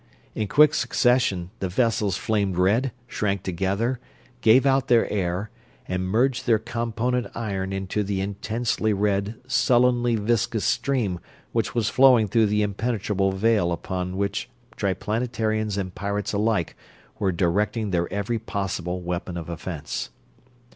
In quick succession the vessels flamed red, shrank together, gave out their air, and merged their component iron into the intensely red, sullenly viscous stream which was flowing through the impenetrable veil upon which Triplanetarians and pirates alike were directing their every possible weapon of offense.